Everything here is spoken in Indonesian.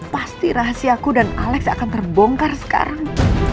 pasti rahasiaku dan alex akan terbongkar sekarang